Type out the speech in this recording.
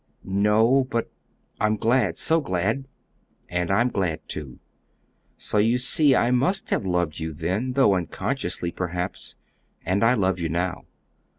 "No; but I'm glad so glad!" "And I'm glad, too. So you see, I must have loved you then, though unconsciously, perhaps; and I love you now."